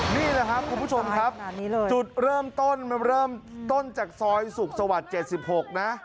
นี่แหละครับคุณผู้ชมครับจุดเริ่มต้นมันเริ่มต้นจากซอยสุขสวรรค์๗๖นะ